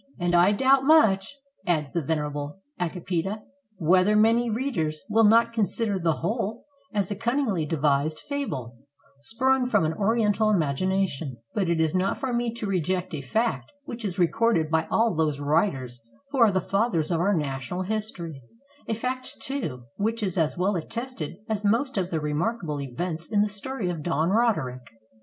"And I doubt much," adds the venerable Agapida, "whether many readers will not consider the whole as a cunningly devised fable, sprung from an Oriental imagination ; but it is not for me to reject a fact which is recorded by all those writers who are the fathers of our national history; a fact, too, which is as well attested as most of the re markable events in the story of Don Roderick.